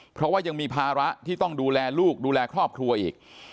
เพราะว่ายังมีภาระที่ต้องดูแลลูกดูแลครอบครัวอีก